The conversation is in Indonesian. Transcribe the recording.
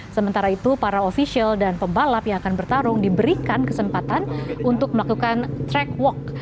sementara itu para ofisial dan pembalap yang akan bertarung diberikan kesempatan untuk melakukan track walk